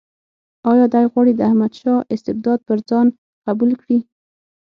آیا دی غواړي د احمدشاه استبداد پر ځان قبول کړي.